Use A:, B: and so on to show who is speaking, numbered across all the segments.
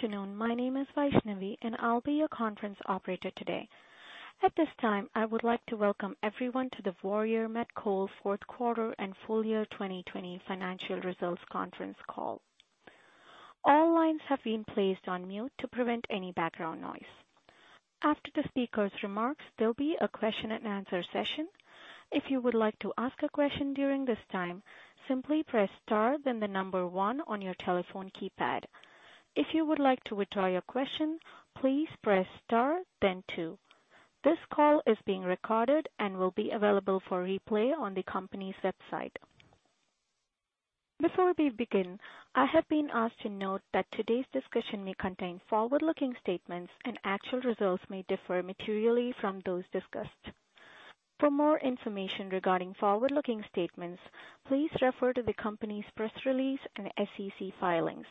A: Afternoon. My name is Vaishnavi, and I'll be your conference operator today. At this time, I would like to welcome everyone to the Warrior Met Coal fourth quarter and full year 2020 financial results conference call. All lines have been placed on mute to prevent any background noise. After the speaker's remarks, there'll be a question-and-answer session. If you would like to ask a question during this time, simply press star, then the number one on your telephone keypad. If you would like to withdraw your question, please press star, then two. This call is being recorded and will be available for replay on the company's website. Before we begin, I have been asked to note that today's discussion may contain forward-looking statements, and actual results may differ materially from those discussed. For more information regarding forward-looking statements, please refer to the company's press release and SEC filings.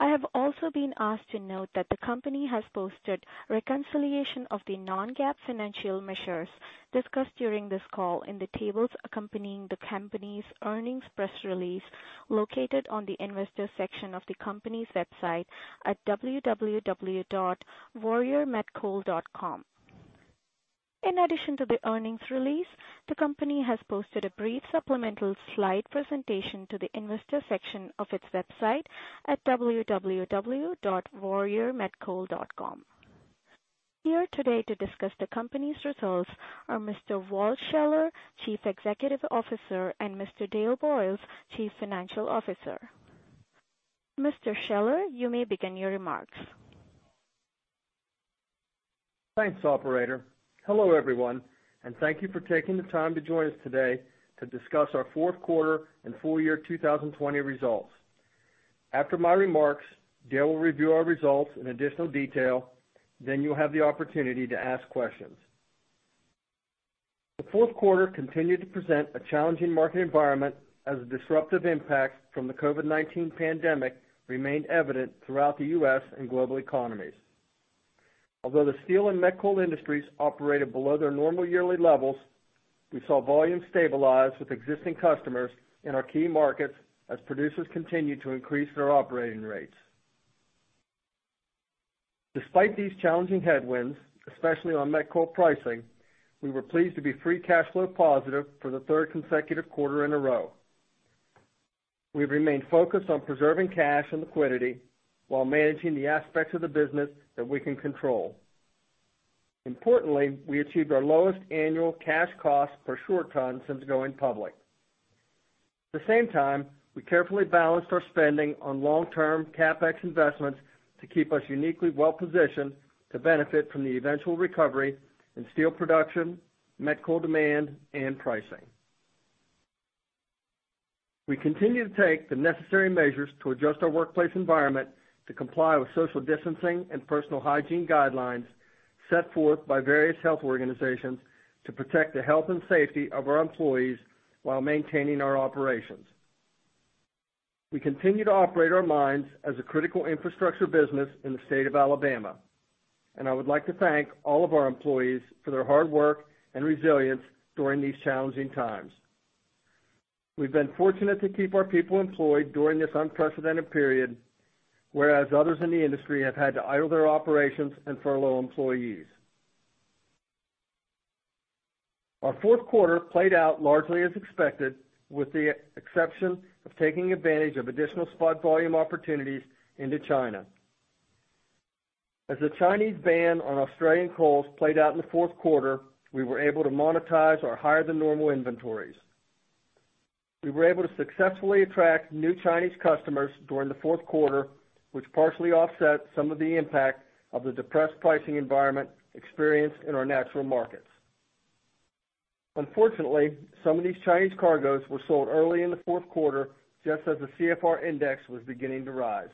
A: I have also been asked to note that the company has posted reconciliation of the non-GAAP financial measures discussed during this call in the tables accompanying the company's earnings press release located on the investor section of the company's website at www.warriormetcoal.com. In addition to the earnings release, the company has posted a brief supplemental slide presentation to the investor section of its website at www.warriormetcoal.com. Here today to discuss the company's results are Mr. Walt Scheller, Chief Executive Officer, and Mr. Dale Boyles, Chief Financial Officer. Mr. Scheller, you may begin your remarks.
B: Thanks, Operator. Hello, everyone, and thank you for taking the time to join us today to discuss our fourth quarter and full year 2020 results. After my remarks, Dale will review our results in additional detail, then you'll have the opportunity to ask questions. The fourth quarter continued to present a challenging market environment as the disruptive impacts from the COVID-19 pandemic remained evident throughout the U.S. and global economies. Although the steel and metal industries operated below their normal yearly levels, we saw volumes stabilize with existing customers in our key markets as producers continued to increase their operating rates. Despite these challenging headwinds, especially on Met Coal pricing, we were pleased to be free cash flow positive for the third consecutive quarter in a row. We've remained focused on preserving cash and liquidity while managing the aspects of the business that we can control. Importantly, we achieved our lowest annual cash cost per short ton since going public. At the same time, we carefully balanced our spending on long-term CapEx investments to keep us uniquely well-positioned to benefit from the eventual recovery in steel production, Met Coal demand, and pricing. We continue to take the necessary measures to adjust our workplace environment to comply with social distancing and personal hygiene guidelines set forth by various health organizations to protect the health and safety of our employees while maintaining our operations. We continue to operate our mines as a critical infrastructure business in the State of Alabama, and I would like to thank all of our employees for their hard work and resilience during these challenging times. We've been fortunate to keep our people employed during this unprecedented period, whereas others in the industry have had to idle their operations and furlough employees. Our fourth quarter played out largely as expected, with the exception of taking advantage of additional spot volume opportunities into China. As the Chinese ban on Australian coals played out in the fourth quarter, we were able to monetize our higher-than-normal inventories. We were able to successfully attract new Chinese customers during the fourth quarter, which partially offset some of the impact of the depressed pricing environment experienced in our natural markets. Unfortunately, some of these Chinese cargoes were sold early in the fourth quarter just as the CFR index was beginning to rise.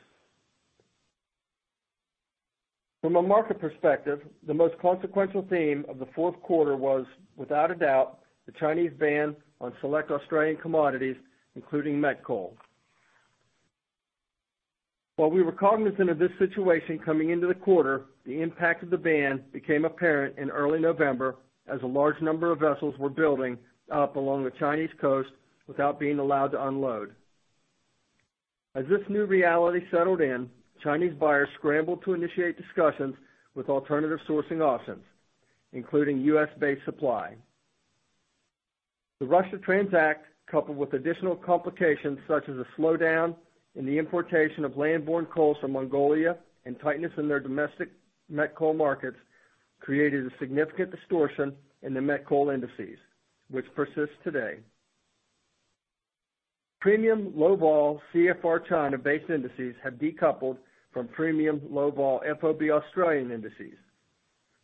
B: From a market perspective, the most consequential theme of the fourth quarter was, without a doubt, the Chinese ban on select Australian commodities, including Met Coal. While we were cognizant of this situation coming into the quarter, the impact of the ban became apparent in early November as a large number of vessels were building up along the Chinese coast without being allowed to unload. As this new reality settled in, Chinese buyers scrambled to initiate discussions with alternative sourcing options, including U.S.-based supply. The Russia Transact, coupled with additional complications such as a slowdown in the importation of land-borne coals from Mongolia and tightness in their domestic Met Coal markets, created a significant distortion in the Met Coal indices, which persists today. Premium Low Vol CFR China-based indices have decoupled from Premium Low Vol FOB Australian indices,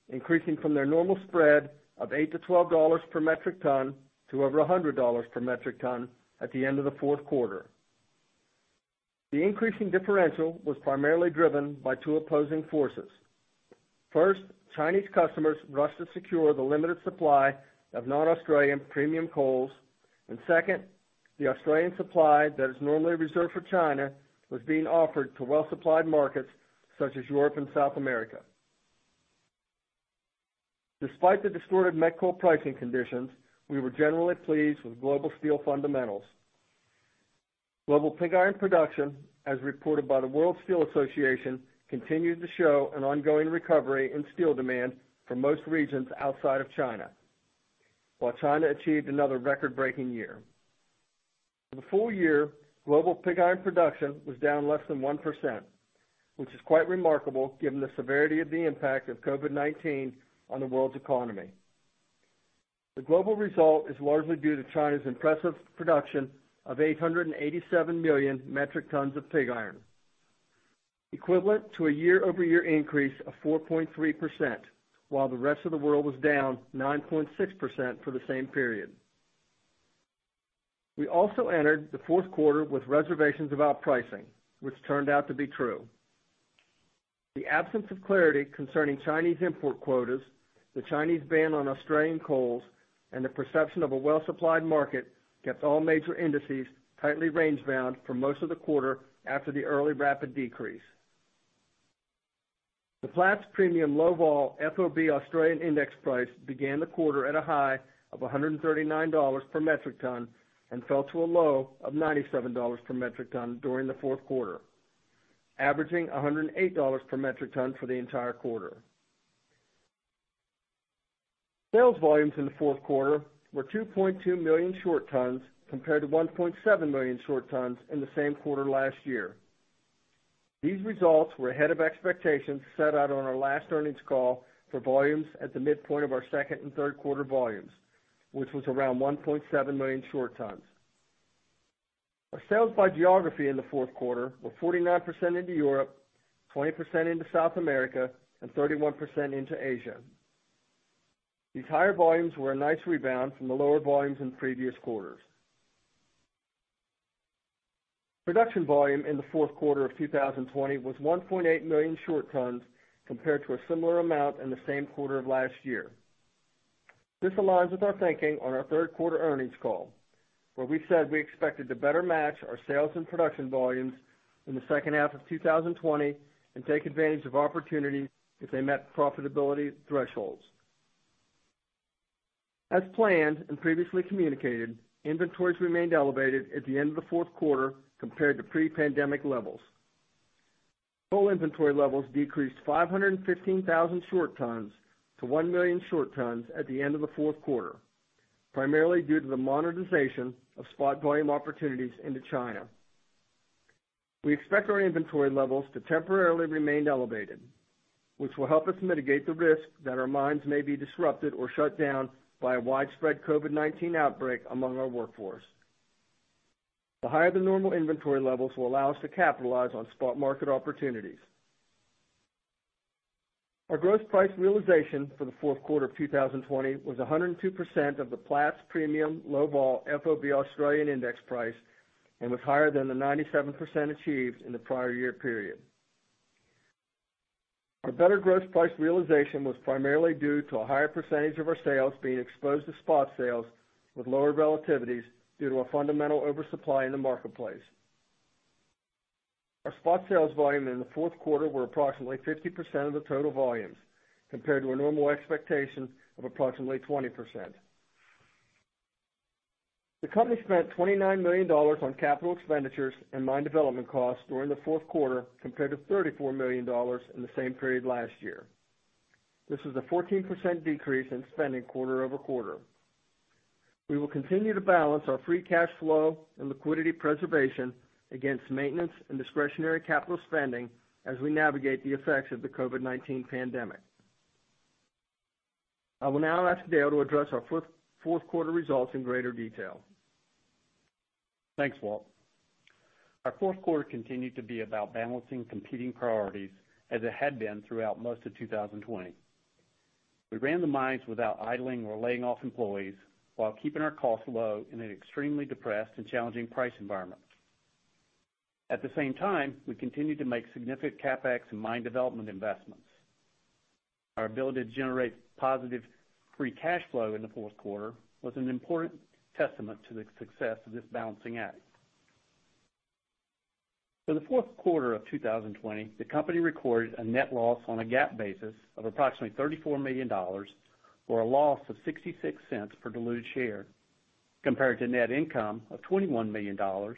B: increasing from their normal spread of $8-$12 per metric ton to over $100 per metric ton at the end of the fourth quarter. The increasing differential was primarily driven by two opposing forces. First, Chinese customers rushed to secure the limited supply of non-Australian premium coals, and second, the Australian supply that is normally reserved for China was being offered to well-supplied markets such as Europe and South America. Despite the distorted Met Coal pricing conditions, we were generally pleased with global steel fundamentals. Global pig iron production, as reported by the World Steel Association, continued to show an ongoing recovery in steel demand for most regions outside of China, while China achieved another record-breaking year. For the full year, global pig iron production was down less than 1%, which is quite remarkable given the severity of the impact of COVID-19 on the world's economy. The global result is largely due to China's impressive production of 887 million metric tons of pig iron, equivalent to a year-over-year increase of 4.3%, while the rest of the world was down 9.6% for the same period. We also entered the fourth quarter with reservations about pricing, which turned out to be true. The absence of clarity concerning Chinese import quotas, the Chinese ban on Australian coals, and the perception of a well-supplied market kept all major indices tightly range-bound for most of the quarter after the early rapid decrease. The Platts Premium Low Vol FOB Australian index price began the quarter at a high of $139 per metric ton and fell to a low of $97 per metric ton during the fourth quarter, averaging $108 per metric ton for the entire quarter. Sales volumes in the fourth quarter were 2.2 million short tons compared to 1.7 million short tons in the same quarter last year. These results were ahead of expectations set out on our last earnings call for volumes at the midpoint of our second and third quarter volumes, which was around 1.7 million short tons. Our sales by geography in the fourth quarter were 49% into Europe, 20% into South America, and 31% into Asia. These higher volumes were a nice rebound from the lower volumes in previous quarters. Production volume in the fourth quarter of 2020 was 1.8 million short tons compared to a similar amount in the same quarter of last year. This aligns with our thinking on our third quarter earnings call, where we said we expected to better match our sales and production volumes in the second half of 2020 and take advantage of opportunities if they met profitability thresholds. As planned and previously communicated, inventories remained elevated at the end of the fourth quarter compared to pre-pandemic levels. Coal inventory levels decreased 515,000 short tons to 1 million short tons at the end of the fourth quarter, primarily due to the monetization of spot volume opportunities into China. We expect our inventory levels to temporarily remain elevated, which will help us mitigate the risk that our mines may be disrupted or shut down by a widespread COVID-19 outbreak among our workforce. The higher-than-normal inventory levels will allow us to capitalize on spot market opportunities. Our gross price realization for the fourth quarter of 2020 was 102% of the Platts Premium Low Vol FOB Australian index price and was higher than the 97% achieved in the prior year period. Our better gross price realization was primarily due to a higher percentage of our sales being exposed to spot sales with lower relativities due to a fundamental oversupply in the marketplace. Our spot sales volume in the fourth quarter was approximately 50% of the total volumes compared to a normal expectation of approximately 20%. The company spent $29 million on capital expenditures and mine development costs during the fourth quarter compared to $34 million in the same period last year. This was a 14% decrease in spending quarter-over-quarter. We will continue to balance our free cash flow and liquidity preservation against maintenance and discretionary capital spending as we navigate the effects of the COVID-19 pandemic. I will now ask Dale to address our fourth quarter results in greater detail.
C: Thanks, Walt. Our fourth quarter continued to be about balancing competing priorities as it had been throughout most of 2020. We ran the mines without idling or laying off employees while keeping our costs low in an extremely depressed and challenging price environment. At the same time, we continued to make significant CapEx and mine development investments. Our ability to generate positive free cash flow in the fourth quarter was an important testament to the success of this balancing act. For the fourth quarter of 2020, the company recorded a net loss on a GAAP basis of approximately $34 million for a loss of $0.66 per diluted share compared to net income of $21 million or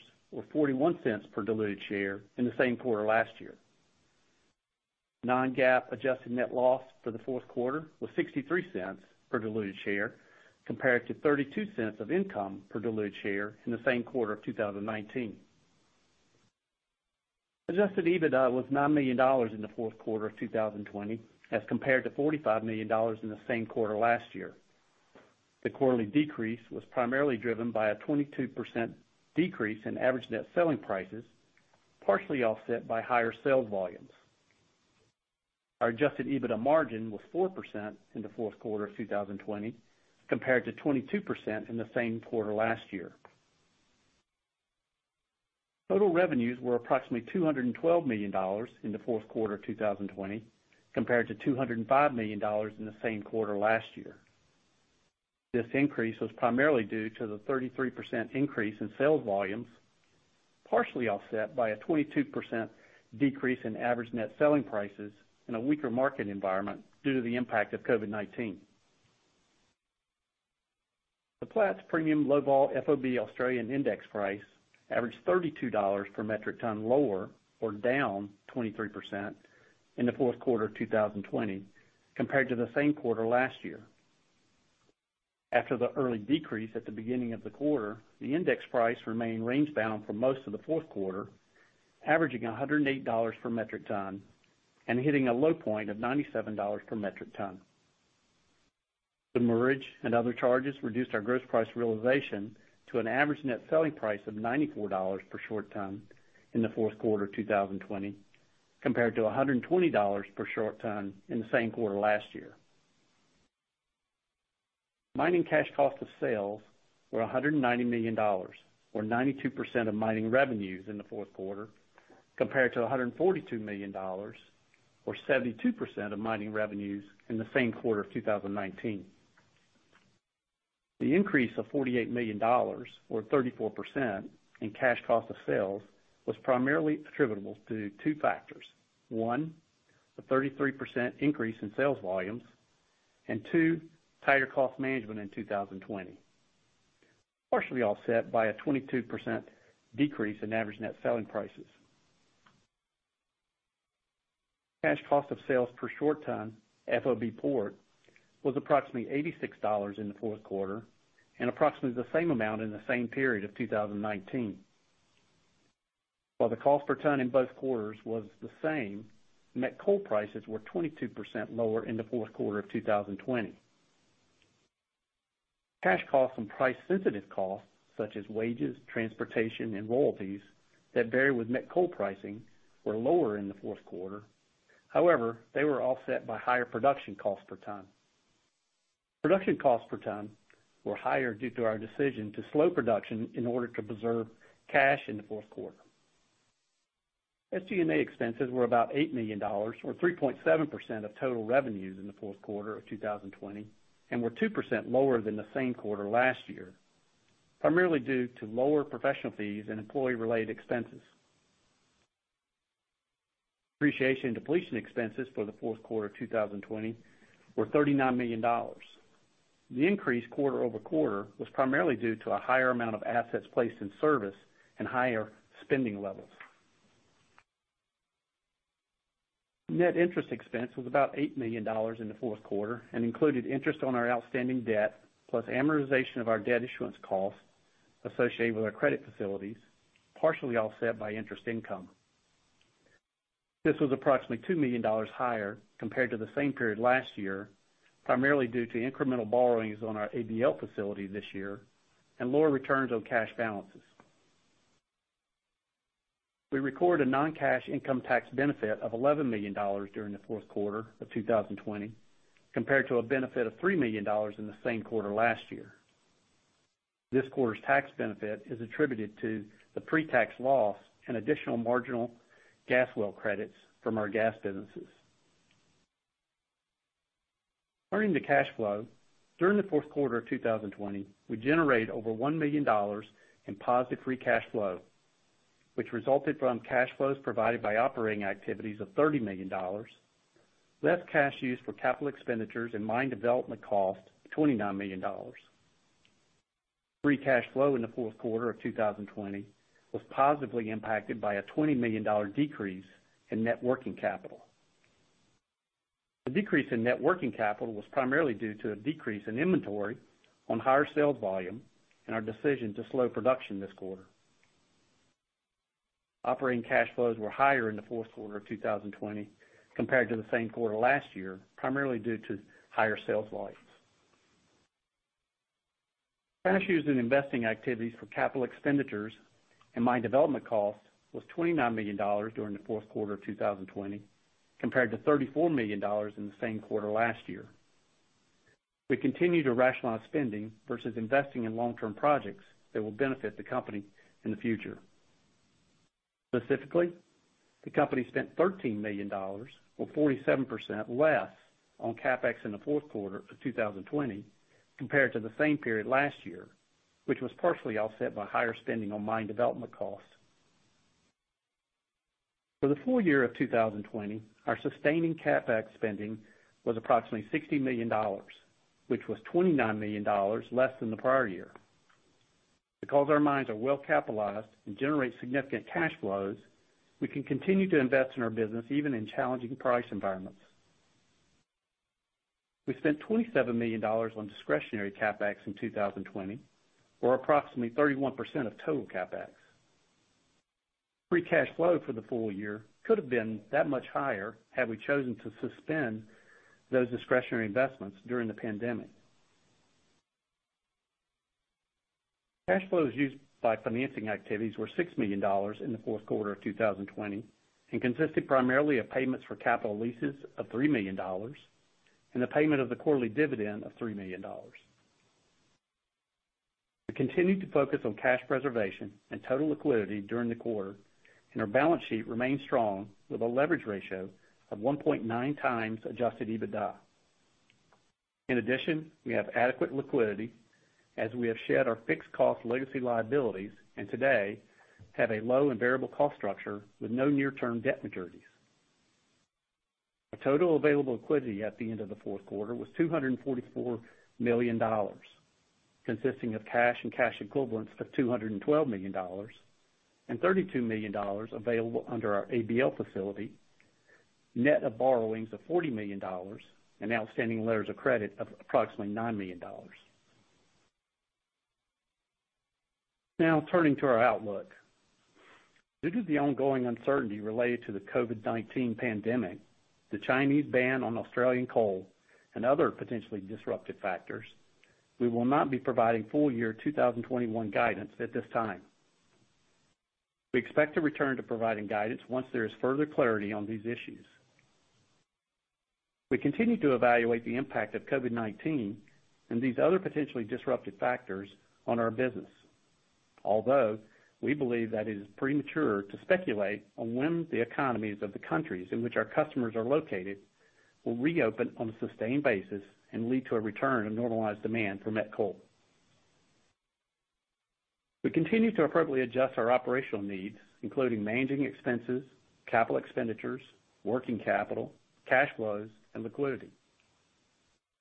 C: $0.41 per diluted share in the same quarter last year. Non-GAAP adjusted net loss for the fourth quarter was $0.63 per diluted share compared to $0.32 of income per diluted share in the same quarter of 2019. Adjusted EBITDA was $9 million in the fourth quarter of 2020 as compared to $45 million in the same quarter last year. The quarterly decrease was primarily driven by a 22% decrease in average net selling prices, partially offset by higher sales volumes. Our adjusted EBITDA margin was 4% in the fourth quarter of 2020 compared to 22% in the same quarter last year. Total revenues were approximately $212 million in the fourth quarter of 2020 compared to $205 million in the same quarter last year. This increase was primarily due to the 33% increase in sales volumes, partially offset by a 22% decrease in average net selling prices in a weaker market environment due to the impact of COVID-19. The Platts Premium Low Vol FOB Australian index price averaged $32 per metric ton lower or down 23% in the fourth quarter of 2020 compared to the same quarter last year. After the early decrease at the beginning of the quarter, the index price remained range-bound for most of the fourth quarter, averaging $108 per metric ton and hitting a low point of $97 per metric ton. The mortgage and other charges reduced our gross price realization to an average net selling price of $94 per short ton in the fourth quarter of 2020 compared to $120 per short ton in the same quarter last year. Mining cash cost of sales were $190 million, or 92% of mining revenues in the fourth quarter, compared to $142 million, or 72% of mining revenues in the same quarter of 2019. The increase of $48 million, or 34% in cash cost of sales, was primarily attributable to two factors: one, a 33% increase in sales volumes; and two, tighter cost management in 2020, partially offset by a 22% decrease in average net selling prices. Cash cost of sales per short ton, FOB port, was approximately $86 in the fourth quarter and approximately the same amount in the same period of 2019. While the cost per ton in both quarters was the same, Met Coal prices were 22% lower in the fourth quarter of 2020. Cash costs and price-sensitive costs, such as wages, transportation, and royalties that vary with Met Coal pricing, were lower in the fourth quarter. However, they were offset by higher production cost per ton. Production costs per ton were higher due to our decision to slow production in order to preserve cash in the fourth quarter. SG&A expenses were about $8 million, or 3.7% of total revenues in the fourth quarter of 2020, and were 2% lower than the same quarter last year, primarily due to lower professional fees and employee-related expenses. Depreciation and depletion expenses for the fourth quarter of 2020 were $39 million. The increase quarter-over-quarter was primarily due to a higher amount of assets placed in service and higher spending levels. Net interest expense was about $8 million in the fourth quarter and included interest on our outstanding debt, plus amortization of our debt issuance costs associated with our credit facilities, partially offset by interest income. This was approximately $2 million higher compared to the same period last year, primarily due to incremental borrowings on our ABL facility this year and lower returns on cash balances. We recorded a non-cash income tax benefit of $11 million during the fourth quarter of 2020 compared to a benefit of $3 million in the same quarter last year. This quarter's tax benefit is attributed to the pre-tax loss and additional marginal gas well credits from our gas businesses. Turning to cash flow, during the fourth quarter of 2020, we generated over $1 million in positive free cash flow, which resulted from cash flows provided by operating activities of $30 million, less cash used for capital expenditures and mine development costs of $29 million. Free cash flow in the fourth quarter of 2020 was positively impacted by a $20 million decrease in net working capital. The decrease in net working capital was primarily due to a decrease in inventory on higher sales volume and our decision to slow production this quarter. Operating cash flows were higher in the fourth quarter of 2020 compared to the same quarter last year, primarily due to higher sales volumes. Cash used in investing activities for capital expenditures and mine development costs was $29 million during the fourth quarter of 2020 compared to $34 million in the same quarter last year. We continued to rationalize spending versus investing in long-term projects that will benefit the company in the future. Specifically, the company spent $13 million, or 47% less, on CapEx in the fourth quarter of 2020 compared to the same period last year, which was partially offset by higher spending on mine development costs. For the full year of 2020, our sustaining CapEx spending was approximately $60 million, which was $29 million less than the prior year. Because our mines are well-capitalized and generate significant cash flows, we can continue to invest in our business even in challenging price environments. We spent $27 million on discretionary CapEx in 2020, or approximately 31% of total CapEx. Free cash flow for the full year could have been that much higher had we chosen to suspend those discretionary investments during the pandemic. Cash flows used by financing activities were $6 million in the fourth quarter of 2020 and consisted primarily of payments for capital leases of $3 million and the payment of the quarterly dividend of $3 million. We continued to focus on cash preservation and total liquidity during the quarter, and our balance sheet remained strong with a leverage ratio of 1.9x adjusted EBITDA. In addition, we have adequate liquidity as we have shed our fixed cost legacy liabilities and today have a low and variable cost structure with no near-term debt maturities. Our total available liquidity at the end of the fourth quarter was $244 million, consisting of cash and cash equivalents of $212 million and $32 million available under our ABL facility, net of borrowings of $40 million and outstanding letters of credit of approximately $9 million. Now, turning to our outlook. Due to the ongoing uncertainty related to the COVID-19 pandemic, the Chinese ban on Australian coal, and other potentially disruptive factors, we will not be providing full year 2021 guidance at this time. We expect to return to providing guidance once there is further clarity on these issues. We continue to evaluate the impact of COVID-19 and these other potentially disruptive factors on our business, although we believe that it is premature to speculate on when the economies of the countries in which our customers are located will reopen on a sustained basis and lead to a return of normalized demand for Met Coal. We continue to appropriately adjust our operational needs, including managing expenses, capital expenditures, working capital, cash flows, and liquidity.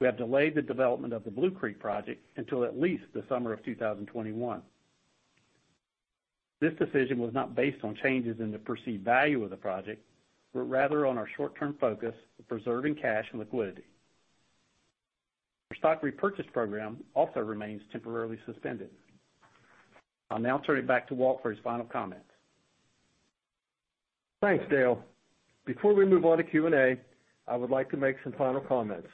C: We have delayed the development of the Blue Creek Project until at least the summer of 2021. This decision was not based on changes in the perceived value of the project, but rather on our short-term focus of preserving cash and liquidity. Our stock repurchase program also remains temporarily suspended. I'll now turn it back to Walt for his final comments.
B: Thanks, Dale. Before we move on to Q&A, I would like to make some final comments.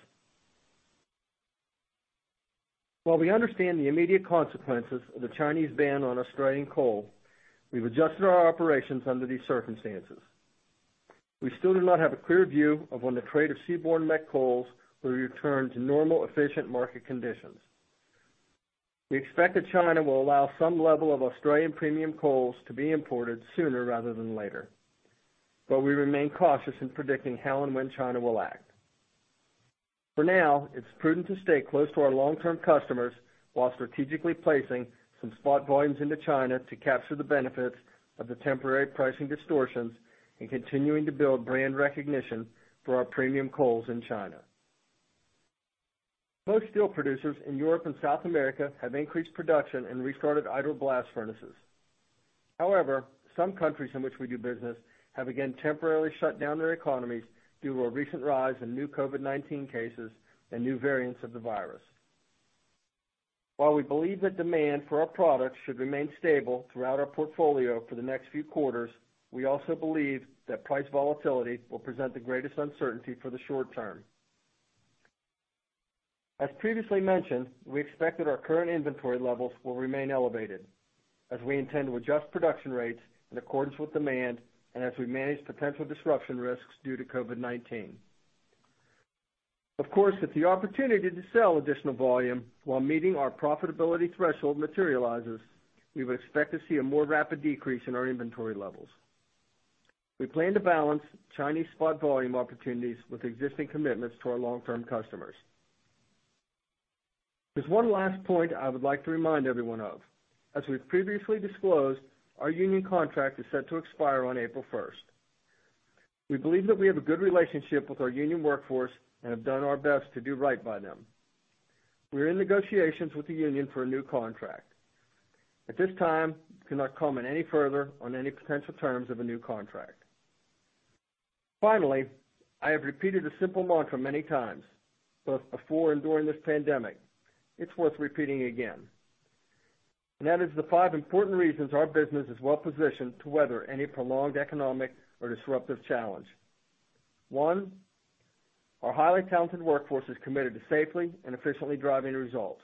B: While we understand the immediate consequences of the Chinese ban on Australian coal, we've adjusted our operations under these circumstances. We still do not have a clear view of when the trade of seaborne Met Coals will return to normal efficient market conditions. We expect that China will allow some level of Australian premium coals to be imported sooner rather than later, but we remain cautious in predicting how and when China will act. For now, it's prudent to stay close to our long-term customers while strategically placing some spot volumes into China to capture the benefits of the temporary pricing distortions and continuing to build brand recognition for our premium coals in China. Most steel producers in Europe and South America have increased production and restarted idle blast furnaces. However, some countries in which we do business have again temporarily shut down their economies due to a recent rise in new COVID-19 cases and new variants of the virus. While we believe that demand for our products should remain stable throughout our portfolio for the next few quarters, we also believe that price volatility will present the greatest uncertainty for the short term. As previously mentioned, we expect that our current inventory levels will remain elevated as we intend to adjust production rates in accordance with demand and as we manage potential disruption risks due to COVID-19. Of course, if the opportunity to sell additional volume while meeting our profitability threshold materializes, we would expect to see a more rapid decrease in our inventory levels. We plan to balance Chinese spot volume opportunities with existing commitments to our long-term customers. There's one last point I would like to remind everyone of. As we've previously disclosed, our union contract is set to expire on April 1st. We believe that we have a good relationship with our union workforce and have done our best to do right by them. We are in negotiations with the union for a new contract. At this time, we cannot comment any further on any potential terms of a new contract. Finally, I have repeated a simple mantra many times, both before and during this pandemic. It's worth repeating again. That is the five important reasons our business is well-positioned to weather any prolonged economic or disruptive challenge. One, our highly talented workforce is committed to safely and efficiently driving results.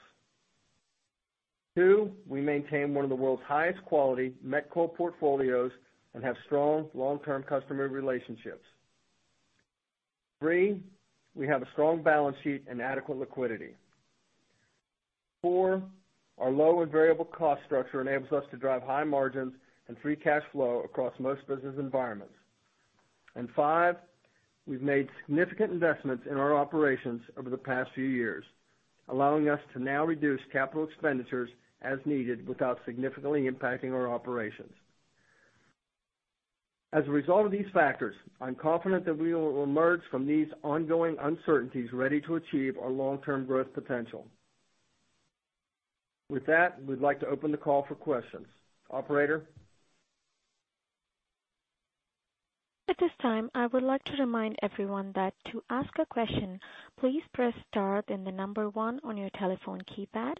B: Two, we maintain one of the world's highest quality Met Coal portfolios and have strong long-term customer relationships. Three, we have a strong balance sheet and adequate liquidity. Four, our low and variable cost structure enables us to drive high margins and free cash flow across most business environments. Five, we've made significant investments in our operations over the past few years, allowing us to now reduce capital expenditures as needed without significantly impacting our operations. As a result of these factors, I'm confident that we will emerge from these ongoing uncertainties ready to achieve our long-term growth potential. With that, we'd like to open the call for questions. Operator.
A: At this time, I would like to remind everyone that to ask a question, please press star then the number one on your telephone keypad.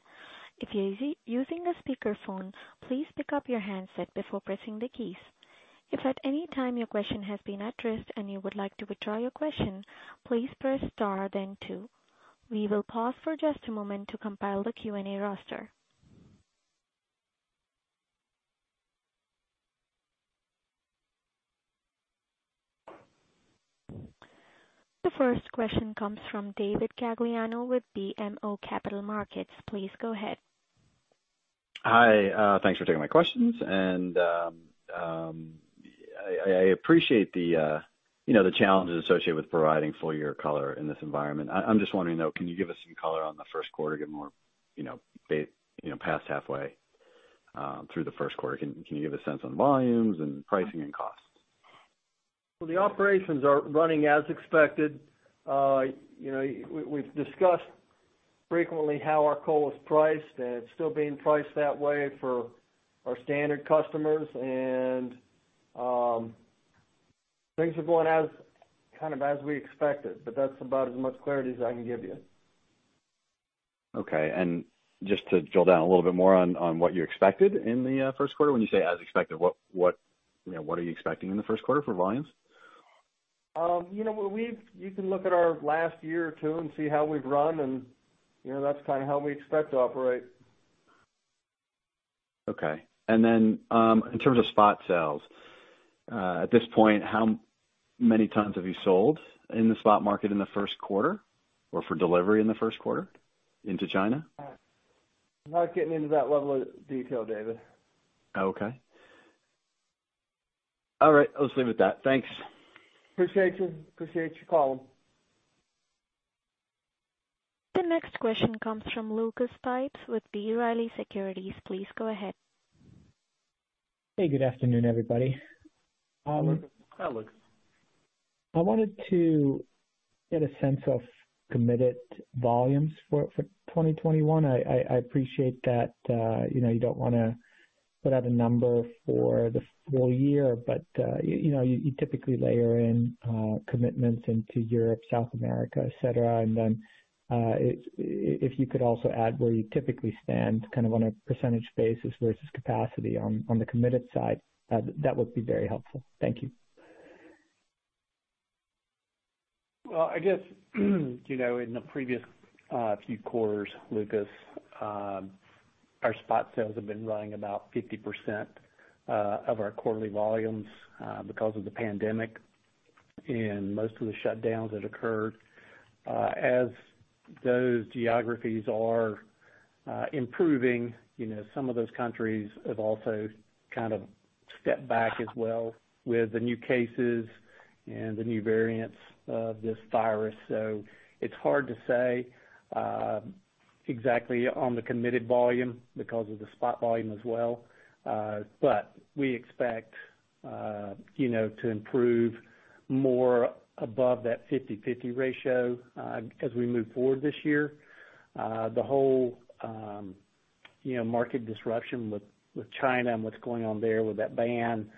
A: If you're using a speakerphone, please pick up your handset before pressing the keys. If at any time your question has been addressed and you would like to withdraw your question, please press star then two. We will pause for just a moment to compile the Q&A roster. The first question comes from David Gagliano with BMO Capital Markets. Please go ahead.
D: Hi. Thanks for taking my questions. I appreciate the challenges associated with providing full year color in this environment. I'm just wondering, though, can you give us some color on the first quarter, get more past halfway through the first quarter? Can you give us a sense on volumes and pricing and costs?
B: The operations are running as expected. We've discussed frequently how our coal is priced, and it's still being priced that way for our standard customers. Things are going kind of as we expected, but that's about as much clarity as I can give you.
D: Okay. Just to drill down a little bit more on what you expected in the first quarter, when you say as expected, what are you expecting in the first quarter for volumes?
B: You can look at our last year or two and see how we've run, and that's kind of how we expect to operate.
D: Okay. In terms of spot sales, at this point, how many tons have you sold in the spot market in the first quarter or for delivery in the first quarter into China?
B: Not getting into that level of detail, David.
D: Okay. All right. Let's leave it at that. Thanks.
B: Appreciate you. Appreciate your calling.
A: The next question comes from Lucas Pipes with B. Riley Securities. Please go ahead.
E: Hey, good afternoon, everybody.
C: Hi, Lucas.
E: I wanted to get a sense of committed volumes for 2021. I appreciate that you do not want to put out a number for the full year, but you typically layer in commitments into Europe, South America, etc. If you could also add where you typically stand, kind of on a percentage basis versus capacity on the committed side, that would be very helpful. Thank you.
C: I guess in the previous few quarters, Lucas, our spot sales have been running about 50% of our quarterly volumes because of the pandemic and most of the shutdowns that occurred. As those geographies are improving, some of those countries have also kind of stepped back as well with the new cases and the new variants of this virus. It is hard to say exactly on the committed volume because of the spot volume as well. We expect to improve more above that 50/50 ratio as we move forward this year. The whole market disruption with China and what is going on there with that ban,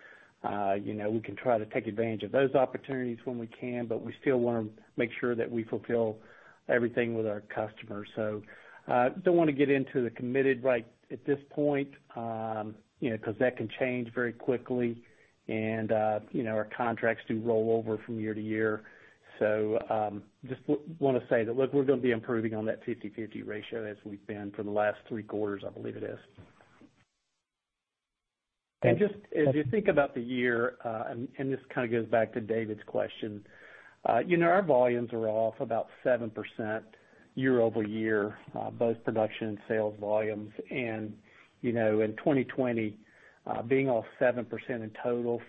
C: we can try to take advantage of those opportunities when we can, but we still want to make sure that we fulfill everything with our customers. I do not want to get into the committed right at this point because that can change very quickly, and our contracts do roll over from year to year. I just want to say that, look, we are going to be improving on that 50/50 ratio as we have been for the last three quarters, I believe it is. Just as you think about the year, and this kind of goes back to David's question, our volumes are off about 7% year- over-year, both production and sales volumes. In 2020, being off 7% in total,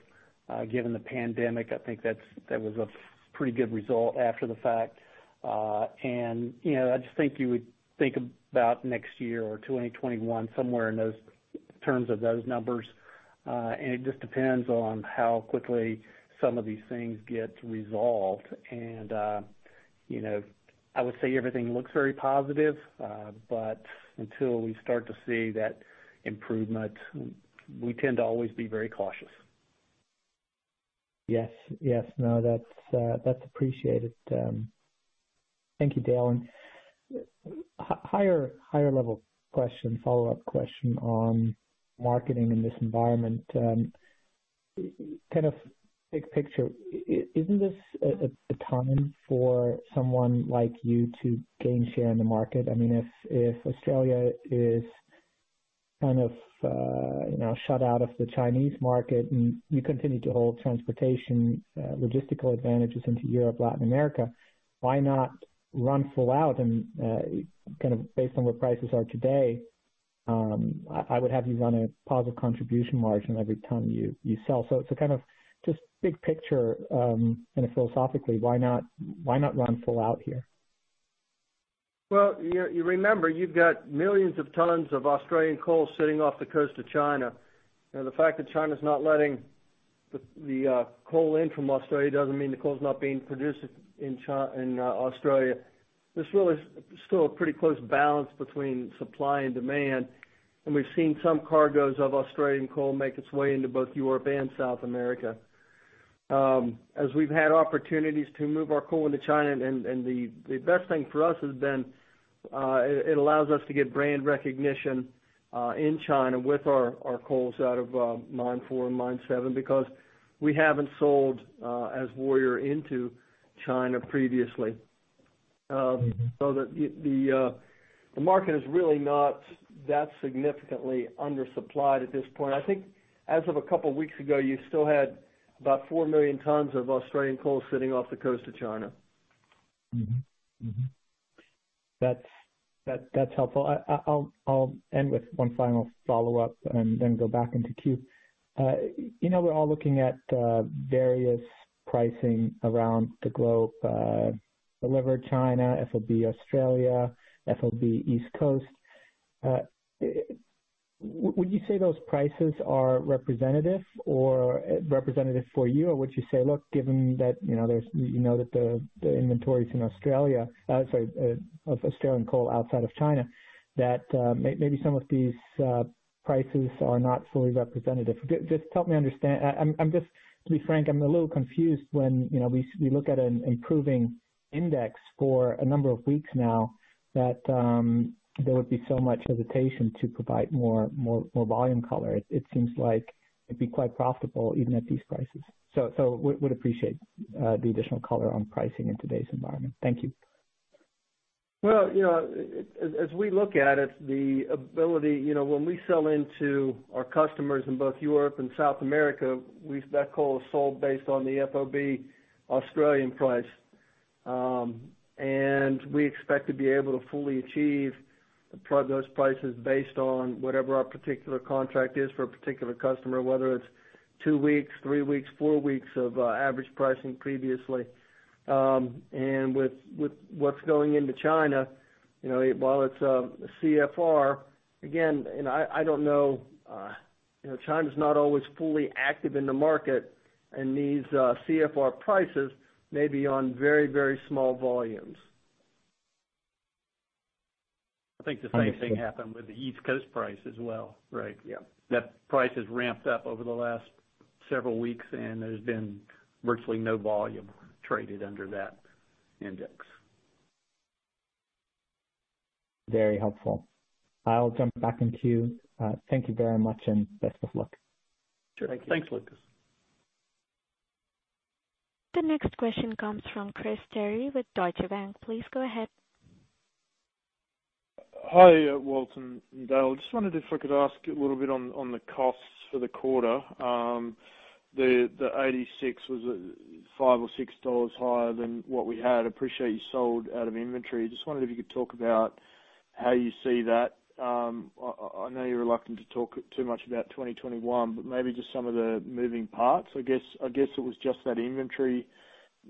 C: given the pandemic, I think that was a pretty good result after the fact. I just think you would think about next year or 2021 somewhere in terms of those numbers. It just depends on how quickly some of these things get resolved. I would say everything looks very positive, but until we start to see that improvement, we tend to always be very cautious.
E: Yes. Yes. No, that's appreciated. Thank you, Dale. A higher-level question, follow-up question on marketing in this environment. Kind of big picture, isn't this a time for someone like you to gain share in the market? I mean, if Australia is kind of shut out of the Chinese market and you continue to hold transportation logistical advantages into Europe, Latin America, why not run full out? Kind of based on what prices are today, I would have you run a positive contribution margin every time you sell. It is kind of just big picture and philosophically, why not run full out here?
B: You remember you've got millions of tons of Australian coal sitting off the coast of China. The fact that China's not letting the coal in from Australia doesn't mean the coal's not being produced in Australia. There's really still a pretty close balance between supply and demand. We've seen some cargoes of Australian coal make its way into both Europe and South America. As we've had opportunities to move our coal into China, the best thing for us has been it allows us to get brand recognition in China with our coals out of mine four and mine seven because we haven't sold as Warrior into China previously. The market is really not that significantly undersupplied at this point. I think as of a couple of weeks ago, you still had about 4 million tons of Australian coal sitting off the coast of China.
E: That's helpful. I'll end with one final follow-up and then go back into queue. We're all looking at various pricing around the globe: delivered China, FOB Australia, FOB East Coast. Would you say those prices are representative or representative for you? Or would you say, look, given that you know that the inventory is in Australia, sorry, of Australian coal outside of China, that maybe some of these prices are not fully representative? Just help me understand. To be frank, I'm a little confused when we look at an improving index for a number of weeks now that there would be so much hesitation to provide more volume color. It seems like it'd be quite profitable even at these prices. Would appreciate the additional color on pricing in today's environment. Thank you.
B: As we look at it, the ability when we sell into our customers in both Europe and South America, that coal is sold based on the FOB Australian price. We expect to be able to fully achieve those prices based on whatever our particular contract is for a particular customer, whether it's two weeks, three weeks, four weeks of average pricing previously. With what's going into China, while it's a CFR, again, I don't know. China's not always fully active in the market and needs CFR prices, maybe on very, very small volumes.
C: I think the same thing happened with the East Coast price as well, right? That price has ramped up over the last several weeks, and there's been virtually no volume traded under that index.
E: Very helpful. I'll jump back into queue. Thank you very much and best of luck.
C: Thank you.
B: Thanks, Lucas.
A: The next question comes from Chris Chellie with Deutsche Bank. Please go ahead. Hi, Walt and Dale. Just wondered if I could ask a little bit on the costs for the quarter. The $86 was $5 or $6 higher than what we had. Appreciate you sold out of inventory. Just wondered if you could talk about how you see that. I know you're reluctant to talk too much about 2021, but maybe just some of the moving parts. I guess it was just that inventory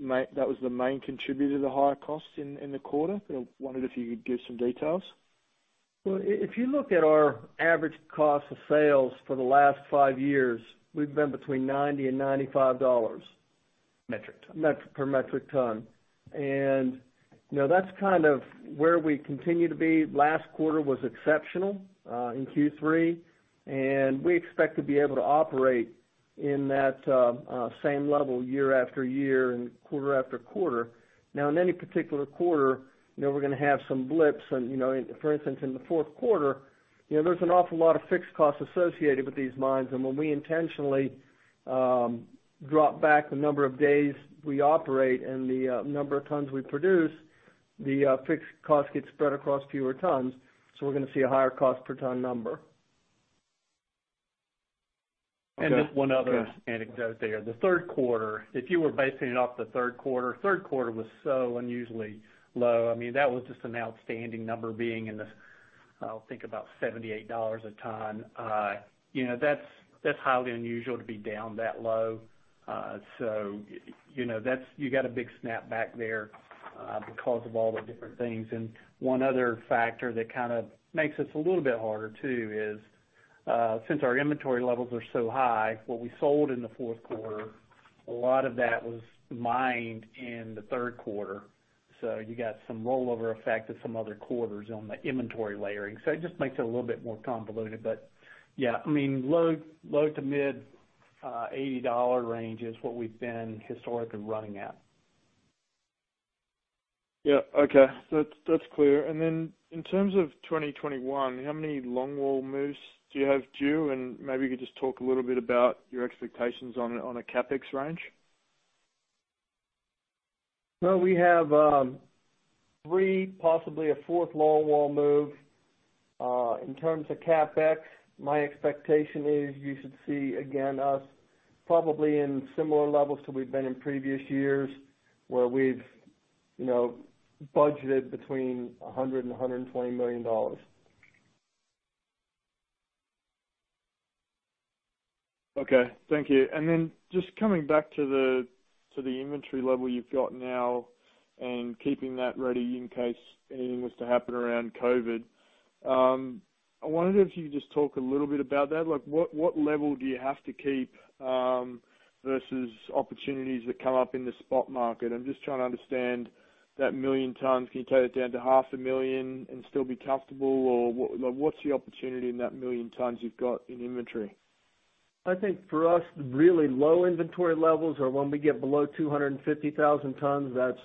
A: that was the main contributor to the higher costs in the quarter. Wondered if you could give some details.
B: If you look at our average cost of sales for the last five years, we've been between $90 and $95.
C: Metric ton.
B: Per metric ton. That is kind of where we continue to be. Last quarter was exceptional in Q3, and we expect to be able to operate at that same level year after year and quarter after quarter. In any particular quarter, we are going to have some blips. For instance, in the fourth quarter, there is an awful lot of fixed costs associated with these mines. When we intentionally drop back the number of days we operate and the number of tons we produce, the fixed costs get spread across fewer tons. We are going to see a higher cost per ton number.
C: Just one other anecdote there. The third quarter, if you were basing it off the third quarter, third quarter was so unusually low. I mean, that was just an outstanding number being in the, I'll think about $78 a ton. That's highly unusual to be down that low. You got a big snap back there because of all the different things. One other factor that kind of makes it a little bit harder too is since our inventory levels are so high, what we sold in the fourth quarter, a lot of that was mined in the third quarter. You got some rollover effect in some other quarters on the inventory layering. It just makes it a little bit more convoluted. Yeah, I mean, low to mid $80 range is what we've been historically running at. Yeah. Okay. That's clear. In terms of 2021, how many longwall moves do you have due? Maybe you could just talk a little bit about your expectations on a CapEx range.
B: We have three, possibly a fourth longwall move. In terms of CapEx, my expectation is you should see, again, us probably in similar levels to what we've been in previous years where we've budgeted between $100 million and $120 million. Okay. Thank you. Just coming back to the inventory level you've got now and keeping that ready in case anything was to happen around COVID, I wondered if you could just talk a little bit about that. Look, what level do you have to keep versus opportunities that come up in the spot market? I'm just trying to understand that million tons. Can you take it down to 500,000 tons and still be comfortable? Or what's the opportunity in that 1 million tons you've got in inventory? I think for us, really low inventory levels are when we get below 250,000 tons. That's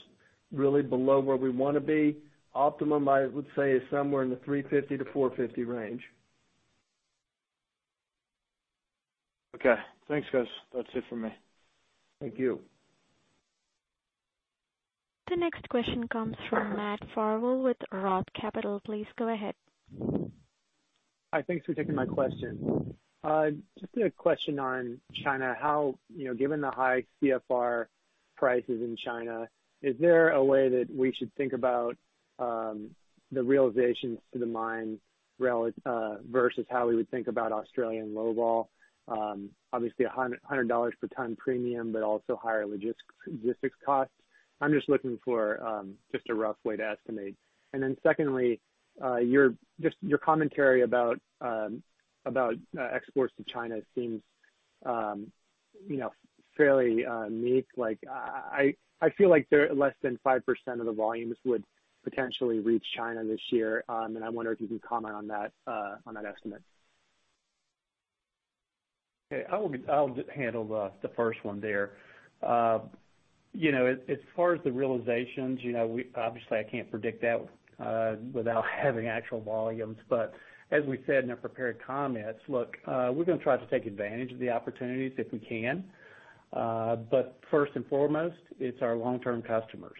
B: really below where we want to be. Optimum, I would say, is somewhere in the 350,000 tons-450,000 tons range. Okay. Thanks, guys. That's it for me. Thank you.
A: The next question comes from Matt Farwell with Roth Capital. Please go ahead.
F: Hi, thanks for taking my question. Just a question on China. Given the high CFR prices in China, is there a way that we should think about the realizations to the mine versus how we would think about Australian Low Vol? Obviously, $100 per ton premium, but also higher logistics costs. I'm just looking for just a rough way to estimate. Secondly, just your commentary about exports to China seems fairly meek. I feel like less than 5% of the volumes would potentially reach China this year. I wonder if you can comment on that estimate.
C: Okay. I'll handle the first one there. As far as the realizations, obviously, I can't predict that without having actual volumes. As we said in our prepared comments, look, we're going to try to take advantage of the opportunities if we can. First and foremost, it's our long-term customers.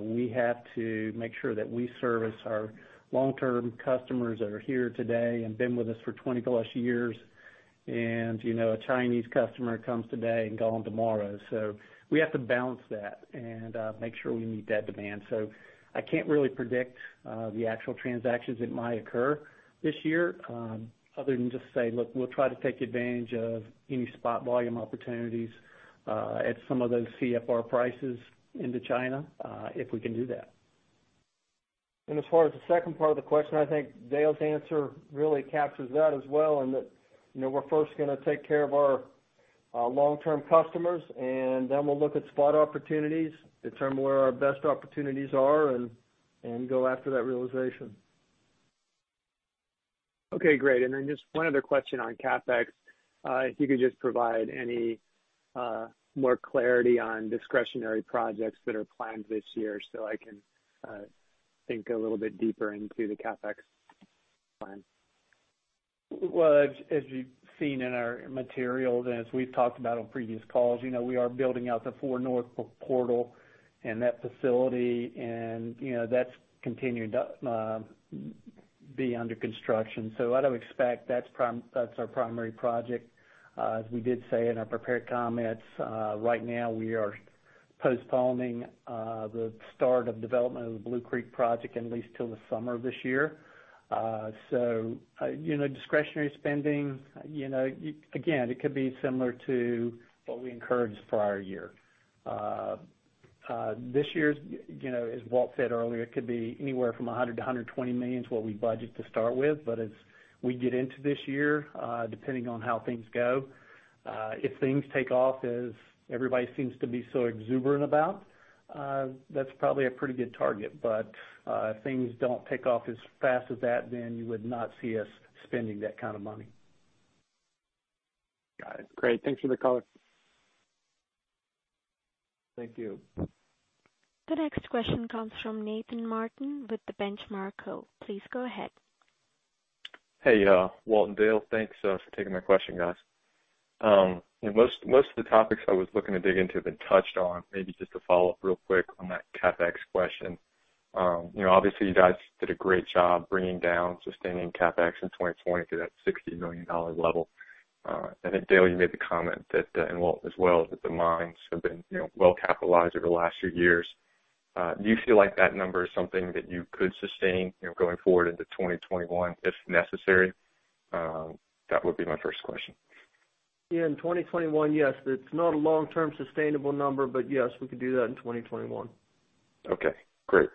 C: We have to make sure that we service our long-term customers that are here today and been with us for 20+ years. A Chinese customer comes today and gone tomorrow. We have to balance that and make sure we meet that demand. I can't really predict the actual transactions that might occur this year other than just to say, look, we'll try to take advantage of any spot volume opportunities at some of those CFR prices into China if we can do that.
B: As far as the second part of the question, I think Dale's answer really captures that as well. We're first going to take care of our long-term customers, and then we'll look at spot opportunities, determine where our best opportunities are, and go after that realization.
F: Okay. Great. Just one other question on CapEx. If you could just provide any more clarity on discretionary projects that are planned this year so I can think a little bit deeper into the CapEx plan.
B: As we've seen in our materials and as we've talked about on previous calls, we are building out the 4 North portal and that facility. That is continuing to be under construction. I don't expect that's our primary project. As we did say in our prepared comments, right now we are postponing the start of development of the Blue Creek project at least till the summer of this year. Discretionary spending, again, it could be similar to what we encouraged prior year. This year, as Walt said earlier, it could be anywhere from $100 million-$120 million is what we budget to start with. As we get into this year, depending on how things go, if things take off as everybody seems to be so exuberant about, that's probably a pretty good target. If things do not take off as fast as that, then you would not see us spending that kind of money.
F: Got it. Great. Thanks for the call.
B: Thank you.
A: The next question comes from Nathan Martin with The Benchmark Company. Please go ahead.
G: Hey, Walt and Dale. Thanks for taking my question, guys. Most of the topics I was looking to dig into have been touched on. Maybe just to follow up real quick on that CapEx question. Obviously, you guys did a great job bringing down sustaining CapEx in 2020 to that $60 million level. I think, Dale, you made the comment that, and Walt as well, that the mines have been well capitalized over the last few years. Do you feel like that number is something that you could sustain going forward into 2021 if necessary? That would be my first question.
B: Yeah. In 2021, yes. It's not a long-term sustainable number, but yes, we could do that in 2021.
G: Okay. Great.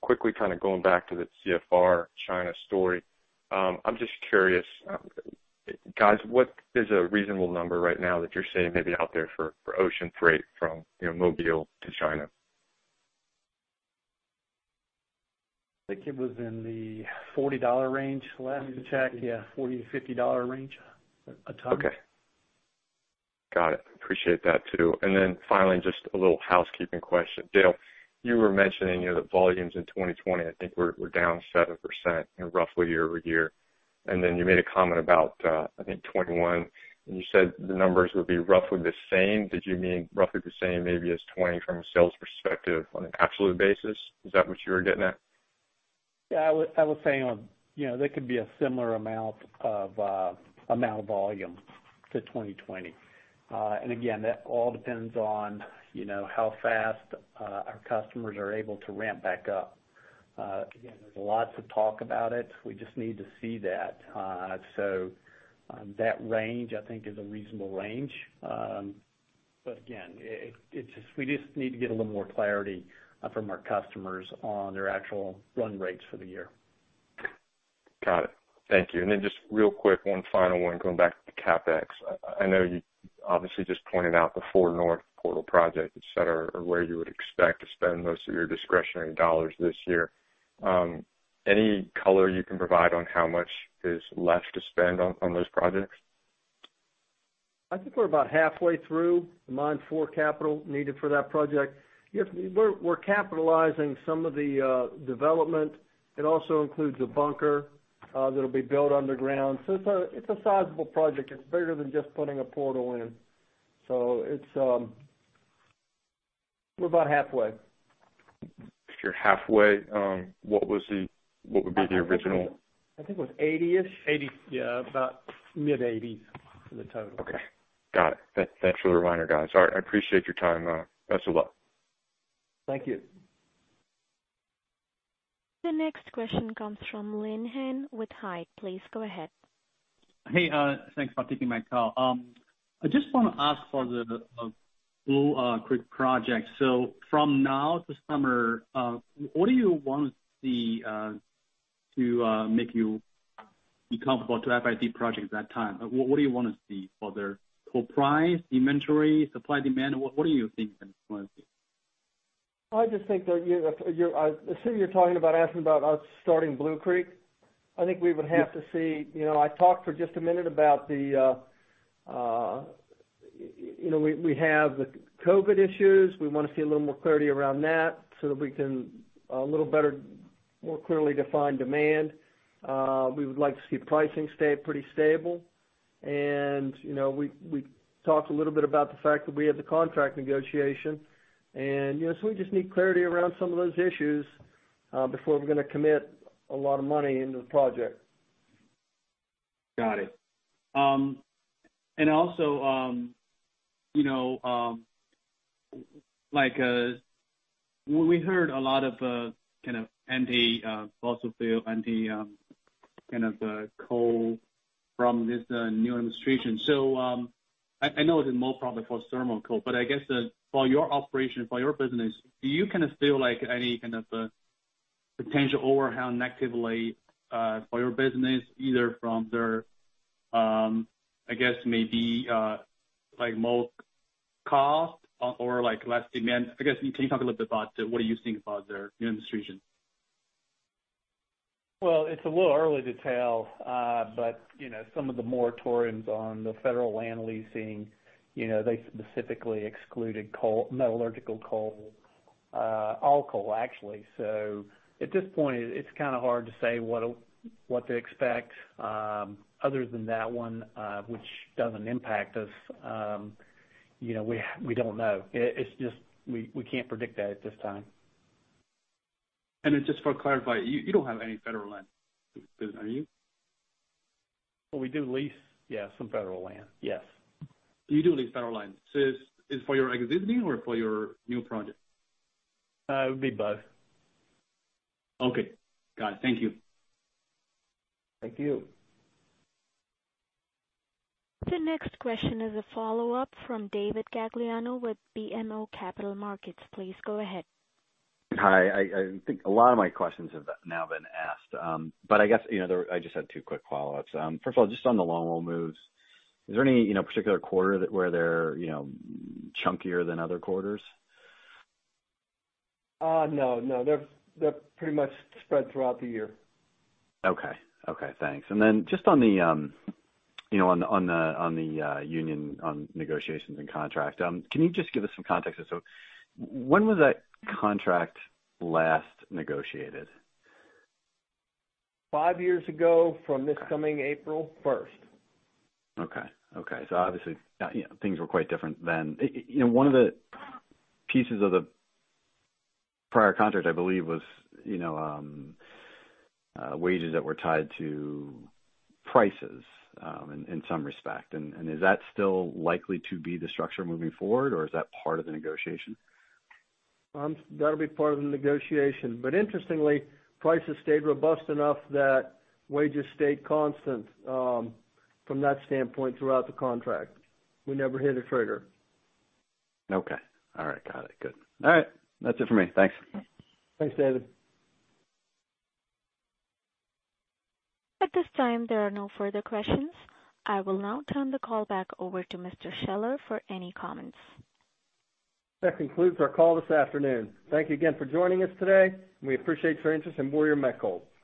G: Quickly, kind of going back to the CFR China story, I'm just curious, guys, what is a reasonable number right now that you're saying may be out there for ocean freight from Mobile to China?
B: I think it was in the $40 range. Let me check. Yeah, $40-$50 range a ton.
G: Okay. Got it. Appreciate that too. Finally, just a little housekeeping question. Dale, you were mentioning the volumes in 2020. I think we're down 7% roughly year-over-year. You made a comment about, I think, 2021. You said the numbers would be roughly the same. Did you mean roughly the same maybe as 2020 from a sales perspective on an absolute basis? Is that what you were getting at?
C: Yeah. I was saying there could be a similar amount of volume to 2020. Again, that all depends on how fast our customers are able to ramp back up. Again, there is lots of talk about it. We just need to see that. That range, I think, is a reasonable range. Again, we just need to get a little more clarity from our customers on their actual run rates for the year.
G: Got it. Thank you. Just real quick, one final one going back to CapEx. I know you obviously just pointed out the 4 North Portal project, etc., or where you would expect to spend most of your discretionary dollars this year. Any color you can provide on how much is left to spend on those projects?
B: I think we're about halfway through the mine for capital needed for that project. We're capitalizing some of the development. It also includes a bunker that will be built underground. It is a sizable project. It is bigger than just putting a portal in. We're about halfway.
G: You're halfway. What would be the original?
B: I think it was 80-ish.
C: Yeah. About mid 80s for the total.
G: Okay. Got it. Thanks for the reminder, guys. All right. I appreciate your time. Best of luck.
B: Thank you.
A: The next question comes from Linhan with Hyde. Please go ahead. Hey. Thanks for taking my call. I just want to ask for a little quick project. From now to summer, what do you want to see to make you be comfortable to have IT projects at that time? What do you want to see for their price, inventory, supply demand? What do you think you want to see?
B: I just think I assume you're talking about asking about us starting Blue Creek. I think we would have to see, I talked for just a minute about the, we have the COVID issues. We want to see a little more clarity around that so that we can a little better, more clearly define demand. We would like to see pricing stay pretty stable. We talked a little bit about the fact that we had the contract negotiation. We just need clarity around some of those issues before we're going to commit a lot of money into the project. Got it. We heard a lot of kind of anti-fossil fuel, anti-kind of coal from this new administration. I know it's more probably for thermal coal, but I guess for your operation, for your business, do you kind of feel like any kind of potential overhang negatively for your business, either from their, I guess, maybe more cost or less demand? I guess can you talk a little bit about what do you think about their new administration?
C: It's a little early to tell, but some of the moratoriums on the federal land leasing, they specifically excluded metallurgical coal, all coal actually. At this point, it's kind of hard to say what to expect. Other than that one, which doesn't impact us, we don't know. We can't predict that at this time. Just for clarify, you don't have any federal land, do you? We do lease, yeah, some federal land. Yes. You do lease federal land. Is it for your existing or for your new project? It would be both. Okay. Got it. Thank you. Thank you.
A: The next question is a follow-up from David Gagliano with BMO Capital Markets. Please go ahead.
D: Hi. I think a lot of my questions have now been asked. I guess I just had two quick follow-ups. First of all, just on the longwall moves, is there any particular quarter where they're chunkier than other quarters?
B: No. No. They're pretty much spread throughout the year.
D: Okay. Okay. Thanks. Just on the union negotiations and contract, can you just give us some context? When was that contract last negotiated?
B: Five years ago from this coming April 1st.
D: Okay. Okay. Obviously, things were quite different then. One of the pieces of the prior contract, I believe, was wages that were tied to prices in some respect. Is that still likely to be the structure moving forward, or is that part of the negotiation?
B: That'll be part of the negotiation. Interestingly, prices stayed robust enough that wages stayed constant from that standpoint throughout the contract. We never hit a trigger.
D: Okay. All right. Got it. Good. All right. That's it for me. Thanks.
B: Thanks, David.
A: At this time, there are no further questions. I will now turn the call back over to Mr. Scheller for any comments.
B: That concludes our call this afternoon. Thank you again for joining us today. We appreciate your interest in Warrior Met Coal.
A: The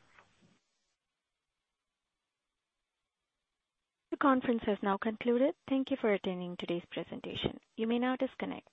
A: conference has now concluded. Thank you for attending today's presentation. You may now disconnect.